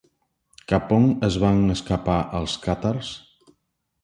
Cap on es van escapar els Càtars?